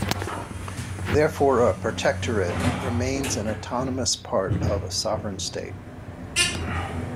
Therefore, a protectorate remains an autonomous part of a sovereign state.